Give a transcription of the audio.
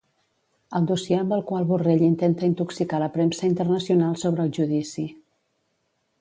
El dossier amb el qual Borrell intenta intoxicar la premsa internacional sobre el judici